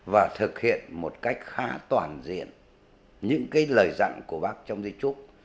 và thực hiện một cách khá toàn diện những lời dặn của bác trong di trúc